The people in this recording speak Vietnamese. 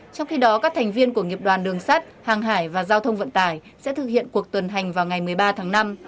trong khi đó các thành viên của nghiệp đoàn đường sắt hàng hải và giao thông vận tải sẽ thực hiện cuộc tuần hành vào ngày một mươi ba tháng năm